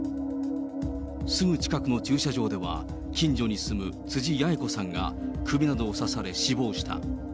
すぐ近くの駐車場では、近所に住む辻やゑ子さんが首などを刺され死亡した。